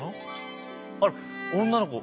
あら女の子！